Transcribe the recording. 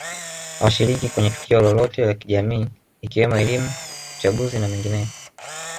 hawashiriki kwenye tukio lolote la kijamii ikiwemo elimu uchaguzi na mengineyo